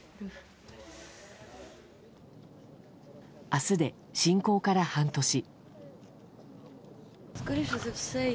明日で侵攻から半年。